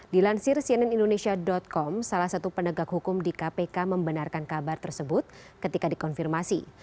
dilansir cnn indonesia com salah satu penegak hukum di kpk membenarkan kabar tersebut ketika dikonfirmasi